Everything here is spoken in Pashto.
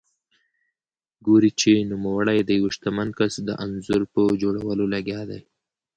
ګوري چې نوموړی د یوه شتمن کس د انځور په جوړولو لګیا دی.